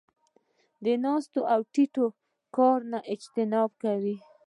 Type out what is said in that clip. د ناستې او د ټيټې د کار نۀ اجتناب کوي -